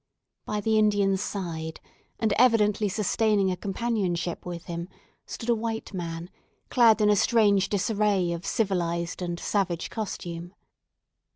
By the Indian's side, and evidently sustaining a companionship with him, stood a white man, clad in a strange disarray of civilized and savage costume.